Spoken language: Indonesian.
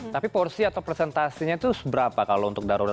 tapi porsi atau presentasinya itu seberapa kalau untuk darurat